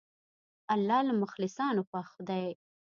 الله له مخلصانو خوښ دی.